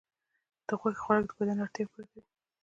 د غوښې خوراک د بدن اړتیاوې پوره کوي.